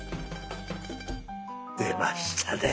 出ましたね。